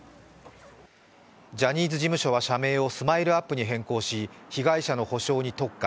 ジャニーズ事務所は社名をＳＭＩＬＥ−ＵＰ．に変更し、被害者の補償に特化。